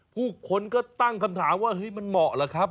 ผู้คนก็ตั้งคำถามว่าเฮ้ยมันเหมาะเหรอครับ